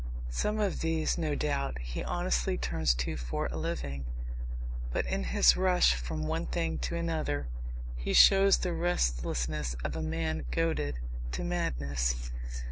Some of these, no doubt, he honestly turns to for a living. But in his rush from one thing to another he shows the restlessness of a man goaded to madness.